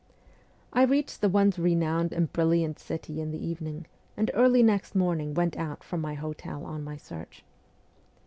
I reached the once renowned and brilliant city in the evening, and early next morning went out from my hotel on my search.